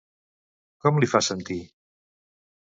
Com li fa sentir?